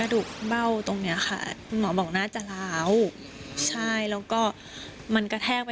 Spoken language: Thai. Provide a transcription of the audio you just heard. ดูหน่อยนะครับ